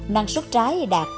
năng suất trái đạt